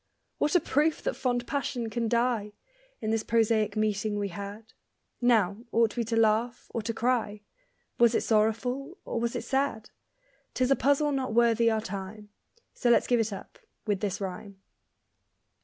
What a proof that fond passion can die, In this prosaic meeting we had! Now, ought we to laugh or to cry Was it sorrowful, or was it sad? 'Tis a puzzle not worthy our time, So let's give it up with this rhyme.